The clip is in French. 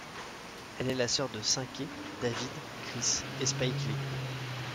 Elle est la sœur de Cinqué, David, Chris et Spike Lee.